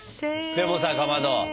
でもさかまど。